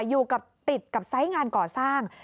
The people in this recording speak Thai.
อยู่กับติดกับไซส์งานก่อสร้าง